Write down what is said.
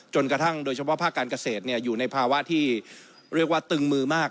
จนกระทั่งโดยเฉพาะภาคการเกษตรเนี่ยอยู่ในภาวะที่เรียกว่าตึงมือมาก